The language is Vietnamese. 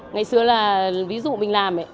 ngày xưa là ví dụ mình làm